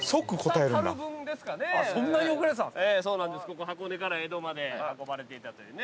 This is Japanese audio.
ここ箱根から江戸まで運ばれていたというね。